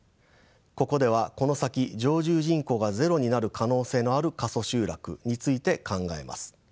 ここではこの先常住人口がゼロになる可能性のある過疎集落について考えます。